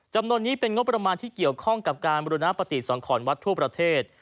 จำนวนนี้เป็นงบประมาณที่เกี่ยวข้องกับการบุรณปฏิสังขรวัดทั่วประเทศ